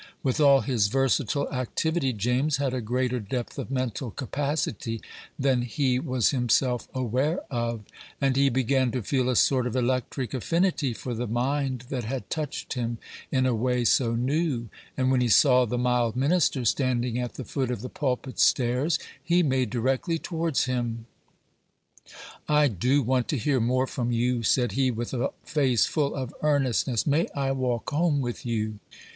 With all his versatile activity, James had a greater depth of mental capacity than he was himself aware of, and he began to feel a sort of electric affinity for the mind that had touched him in a way so new; and when he saw the mild minister standing at the foot of the pulpit stairs, he made directly towards him. "I do want to hear more from you," said he, with a face full of earnestness; "may I walk home with you?"